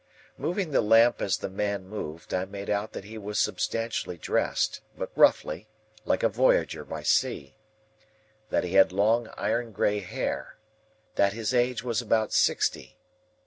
Moving the lamp as the man moved, I made out that he was substantially dressed, but roughly, like a voyager by sea. That he had long iron grey hair. That his age was about sixty.